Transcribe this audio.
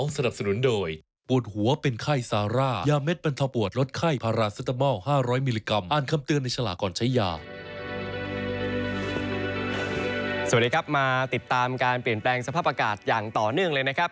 สวัสดีครับมาติดตามการเปลี่ยนแปลงสภาพอากาศอย่างต่อเนื่องเลยนะครับ